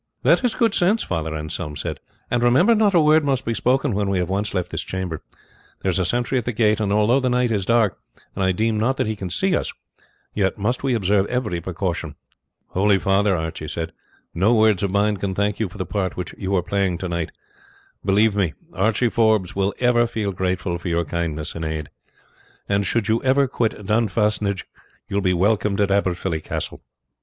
"That is good sense," Father Anselm said; "and remember, not a word must be spoken when we have once left this chamber. There is a sentry at the gate; and although the night is dark, and I deem not that he can see us, yet must we observe every precaution." "Holy father," Archie said, "no words of mine can thank you for the part which you are playing tonight. Believe me, Archie Forbes will ever feel grateful for your kindness and aid; and should you ever quit Dunstaffnage you will be welcomed at Aberfilly Castle.